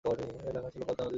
এলাকা ছিল পদ্মা নদীর চর।